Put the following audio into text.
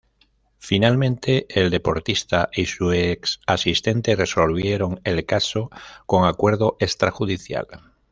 Finalmente, el deportista y su ex asistente resolvieron el caso con acuerdo extrajudicial.